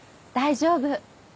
大丈夫。